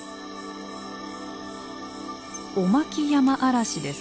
オマキヤマアラシです。